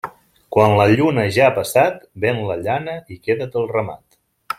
Quan la lluna ja ha passat, ven la llana i queda't el ramat.